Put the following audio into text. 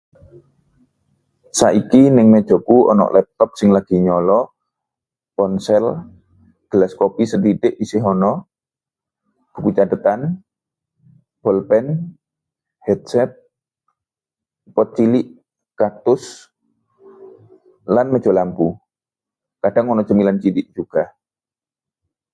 Saiki ning mejaku ana laptop sing lagi nyala, ponsel, gelas kopi sethithik isih ana, buku catetan, bolpen, headset, pot cilik kaktus, lan meja lampu. Kadhang ana cemilan cilik uga.